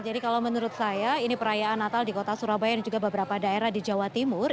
jadi kalau menurut saya ini perayaan natal di kota surabaya dan juga beberapa daerah di jawa timur